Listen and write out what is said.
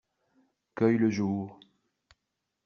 Cueille le jour.